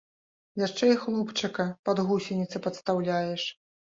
Яшчэ і хлопчыка пад гусеніцы падстаўляеш.